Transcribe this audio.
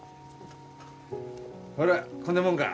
ほらこんなもんが？